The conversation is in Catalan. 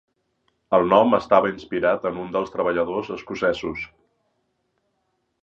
El nom estava inspirat en un dels treballadors escocesos.